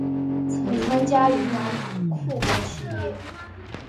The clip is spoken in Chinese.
曾参加云南护国起义。